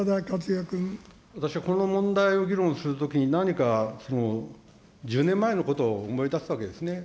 私はこの問題を議論するときに、何か１０年前のことを思い出すわけですね。